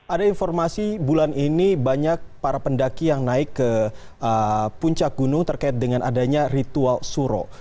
ada informasi bulan ini banyak para pendaki yang naik ke puncak gunung terkait dengan adanya ritual suro